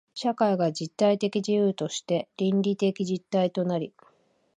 社会が実体的自由として倫理的実体となり、